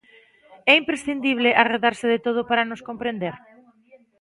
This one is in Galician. É imprescindible arredarse de todo para nos comprender?